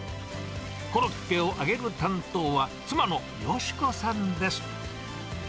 コロッケを揚げる担当は、妻の淑子さんです。